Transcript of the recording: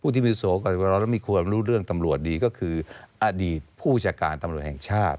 พูดที่มีสังหรับการรู้เรื่องตำรวจดีก็คืออดีตผู้จัดการตำรวจแห่งชาติ